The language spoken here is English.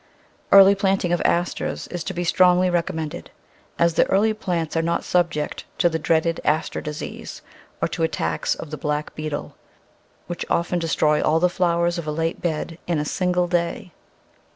Early planting of Asters is to be strongly recom mended, as the early plants are not subject to the dreaded Aster disease or to attacks of the black beetle, which often destroy all the flowers of a late bed in a single day.